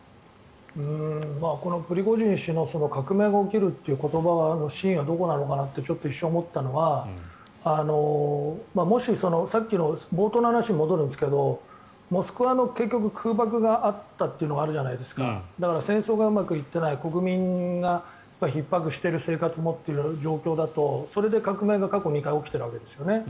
このプリゴジン氏の革命が起きるという言葉の真意はどこなのかって一瞬、思ったのはもし、さっきの冒頭の話に戻るんですけどモスクワの結局、空爆があったというのがあるじゃないですかだから、戦争がうまくいってない国民が生活もひっ迫してるって状況だとそれで革命が過去２回起きているわけですよね。